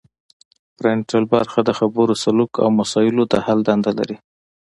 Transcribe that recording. فرنټل برخه د خبرو سلوک او مسایلو د حل دنده لري